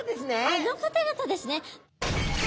あの方々ですね。